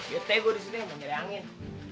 yt gue disini mau nyari angin